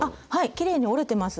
きれいに織れてます。